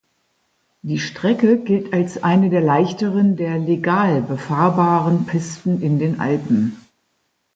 Die Strecke gilt als eine der leichteren der legal befahrbaren Pisten in den Alpen.